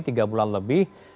tiga bulan lebih